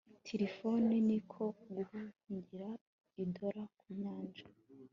tirifoni ni ko guhungira i dora ku nyanja